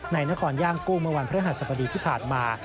นครย่างกู้เมื่อวันพระหัสบดีที่ผ่านมา